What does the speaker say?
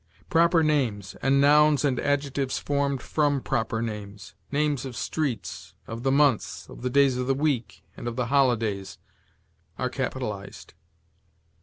Proper names, and nouns and adjectives formed from proper names, names of streets, of the months, of the days of the week, and of the holidays, are capitalized.